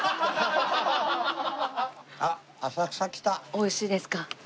美味しいですか。